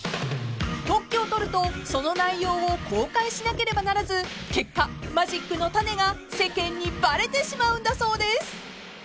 ［特許を取るとその内容を公開しなければならず結果マジックのタネが世間にバレてしまうんだそうです］